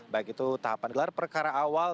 baik itu tahapan gelar perkara awal